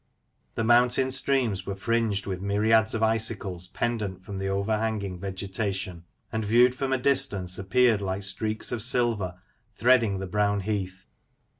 The mountain streams were fringed with myriads of icicles pendant from the overhanging vegetation ; and, viewed from a distance, appeared like streaks of silver threading the brown heath.